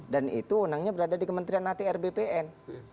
dan itu onangnya berada di kementerian atr bpn